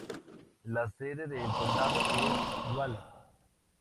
La sede del condado es Wallace.